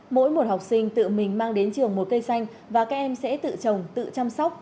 mỗi một học sinh tự mình mang đến trường một cây xanh và các em sẽ tự trồng tự chăm sóc